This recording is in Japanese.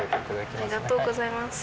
ありがとうございます。